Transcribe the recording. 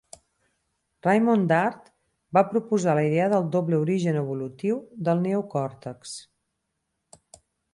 Raymond Dart va proposar la idea del doble origen evolutiu del neocòrtex.